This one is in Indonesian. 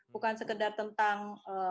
bukan sekedar tentang